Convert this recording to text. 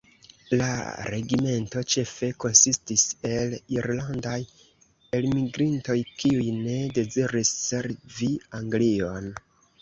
La regimento ĉefe konsistis el irlandaj elmigrintoj, kiuj ne deziris servi Anglion.